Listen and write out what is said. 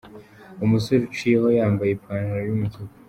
Umusore uciyeho yambaye ipantaro yu mutuku.